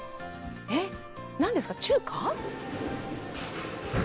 え、何ですか、中華？